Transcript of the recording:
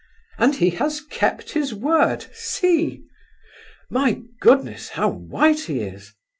And he has kept his word, see! My goodness, how white he is!